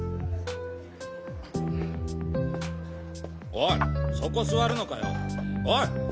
おいそこ座るのかよおい！